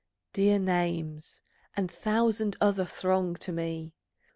Dear names, And thousand other throng to me!